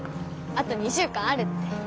あと２週間あるって。